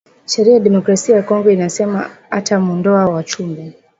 Sheria ya jamuri ya ki democracia ya kongo ina sema ata mu ndowa wa chumbe